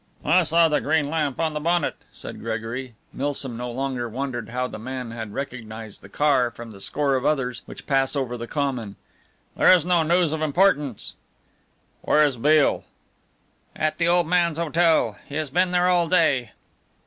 "I saw the green lamp on the bonnet," said Gregory (Milsom no longer wondered how the man had recognized the car from the score of others which pass over the common), "there is no news of importance." "Where is Beale?" "At the old man's hotel. He has been there all day."